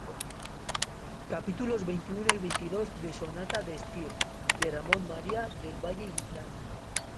capítulos veintiuno y veintidós de Sonata de Estío, de Ramón María del Valle-Inclán.